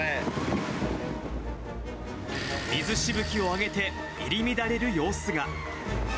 水しぶきを上げて入り乱れる様子が。